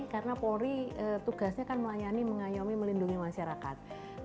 karena polri tugasnya kan melayani mengayomi melindungi masyarakat